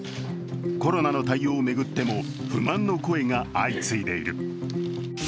コロナの対応を巡っても不満の声が相次いでいる。